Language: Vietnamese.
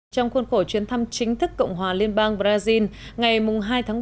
trong khuôn khổ chuyến thăm chính thức cộng hòa liên bang brazil ngày hai tháng bảy